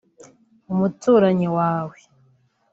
“Umuturanyi wawe